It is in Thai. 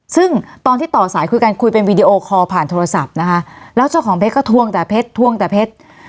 ซึ่งตอนที่ต่อสายคุยกันคุยเป็นวีดีโอคอลผ่านโทรศัพท์นะคะแล้วเจ้าของเพชรก็ทวงแต่เพชรทวงแต่เพชร